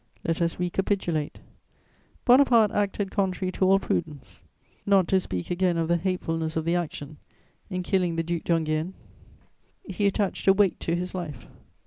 Let us recapitulate: Bonaparte acted contrary to all prudence, not to speak again of the hatefulness of the action, in killing the Duc d'Enghien: he attached a weight to his life.